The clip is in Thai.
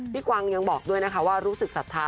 กวางยังบอกด้วยนะคะว่ารู้สึกศรัทธา